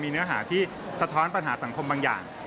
เนื้อหาที่สะท้อนปัญหาสังคมบางอย่าง